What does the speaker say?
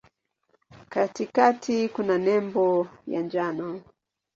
Katikati kuna nembo ya njano.